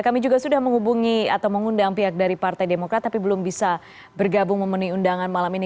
kami juga sudah menghubungi atau mengundang pihak dari partai demokrat tapi belum bisa bergabung memenuhi undangan malam ini